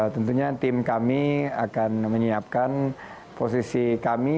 tentunya tim kami akan menyiapkan posisi kami